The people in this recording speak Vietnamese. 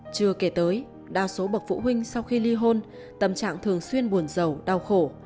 chưa kể tới đa số bậc phụ huynh sau khi ly hôn tầm trạng thường xuyên buồn giàu đau khổ